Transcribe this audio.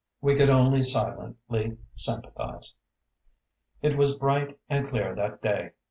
We could only silently sympathize. It was bright and clear that day.